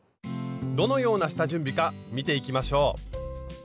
どのような下準備か見ていきましょう。